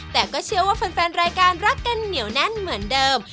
แต่ก็เชื่อว่าแฟนรายการรักกันเหนียวแน่นเหมือนเดิม